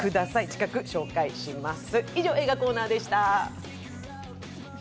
近く紹介します。